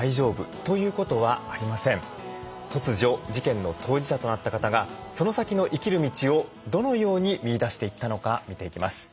突如事件の当事者となった方がその先の生きる道をどのように見いだしていったのか見ていきます。